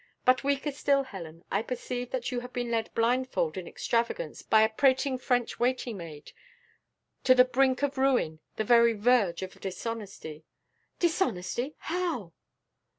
But weaker still, Helen, I perceive that you have been led blindfold in extravagance by a prating French waiting maid to the brink of ruin, the very verge of dishonesty." "Dishonesty! how?"